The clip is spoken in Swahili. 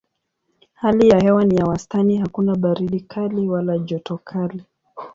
Hali ya hewa ni ya wastani hakuna baridi kali wala joto kali.